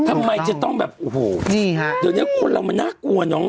ทำไมจะต้องแบบโอ้โหนี่ฮะเดี๋ยวนี้คนเรามันน่ากลัวน้อง